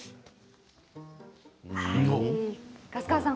粕川さん